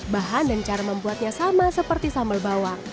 bahan dan cara membuatnya sama seperti sambal bawang